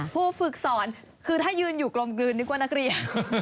ผู้ฝึกสอนคือถ้ายืนอยู่กลมกลืนนึกว่านักเรียน